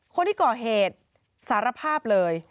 คนที่ก่อเหตุสารภาพเลย